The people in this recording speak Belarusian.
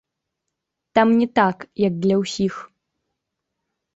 Там не так, як для ўсіх.